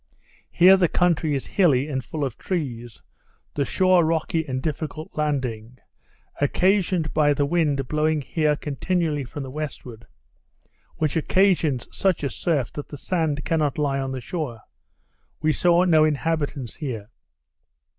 Here the country is hilly and full of trees, the shore rocky and difficult landing, occasioned by the wind blowing here continually from the westward, which occasions such a surf that the sand cannot lie on the shore. We saw no inhabitants here.